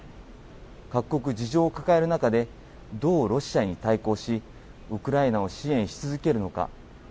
各国事情を抱える中で、どうロシアに対抗し、ウクライナを支援し続けるのか。